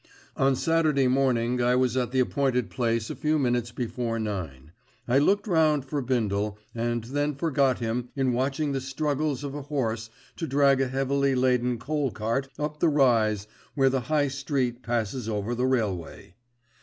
On Saturday morning I was at the appointed place a few minutes before nine, I looked round for Bindle, and then forgot him in watching the struggles of a horse to drag a heavily laden coal cart up the rise where the High Street passes over the railway.